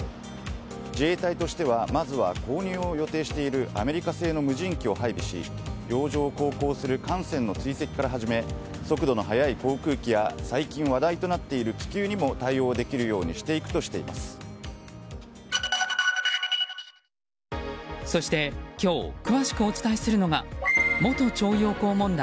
自衛隊としてはまずは購入を予定しているアメリカ製の無人機を配備し洋上を航行する艦船の追跡から始め速度の速い航空機や最近、話題となっている気球にも対応できるようにそして、今日詳しくお伝えするのが元徴用工問題。